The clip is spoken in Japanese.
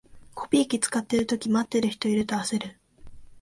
コピー機使ってるとき、待ってる人いると焦る